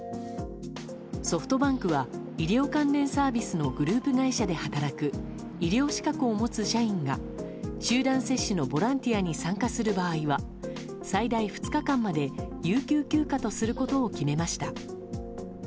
ソフトバンクは医療関連サービスのグループ会社で働く医療資格を持つ社員が集団接種のボランティアに参加する場合は最大２日間まで有給休暇とすることを決めました。